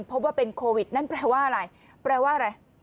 พบว่าเป็นโควิดนั้นแปลว่าอะไร